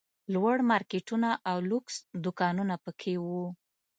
لوړ مارکېټونه او لوکس دوکانونه پکښې وو.